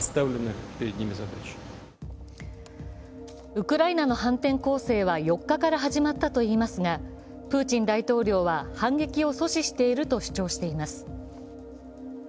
ウクライナの反転攻勢は４日から始まったといいますが、プーチン大統領は反撃を阻止していると主張しています。